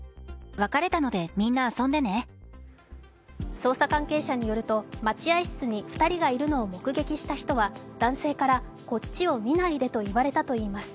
捜査関係者によると待合室に２人がいるのを目撃した人は男性から、こっちを見ないでと言われたといいます。